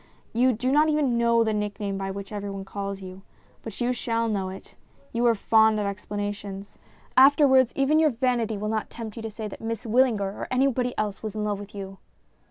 You do not even know the nickname by which everybody calls you. But you shall know it ; you are fond of explanations. Afterwards, even your vanity will not tempt you to say that Miss Wyllinger or anybody else was in love with you."